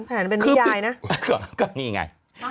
แผนเป็นพี่ยายนะ